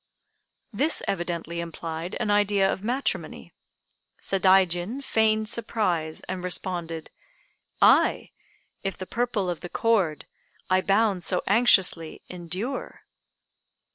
This evidently implied an idea of matrimony. Sadaijin feigned surprise and responded: "Aye! if the purple of the cord, I bound so anxiously, endure!"